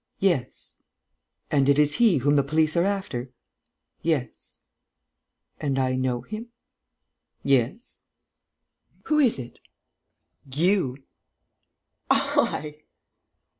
"Yes." "And it is he whom the police are after?" "Yes." "And I know him?" "Yes." "Who is it?" "You!" "I!..."